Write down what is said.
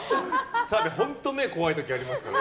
澤部、本当目が怖い時ありますから。